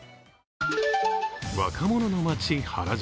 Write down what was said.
若者の街・原宿。